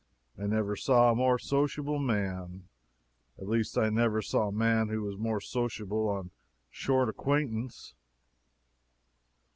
I never saw a more sociable man. At least I never saw a man who was more sociable on a short acquaintance.